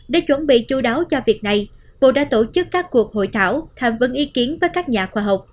để chuẩn bị chú đáo cho việc này bộ đã tổ chức các cuộc hội thảo tham vấn ý kiến với các nhà khoa học